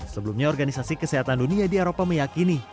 sebelumnya organisasi kesehatan dunia di eropa meyakini